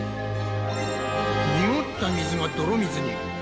にごった水が泥水に。